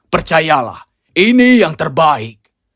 percayalah ini yang terbaik